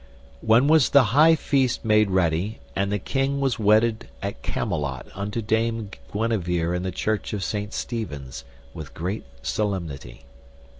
Then was the high feast made ready, and the king was wedded at Camelot unto Dame Guenever in the church of Saint Stephen's, with great solemnity.